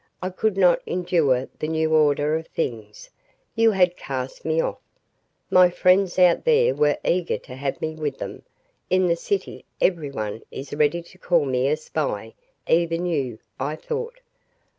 I could not endure the new order of things. You had cast me off. My friends out there were eager to have me with them. In the city everyone is ready to call me a spy even you, I thought.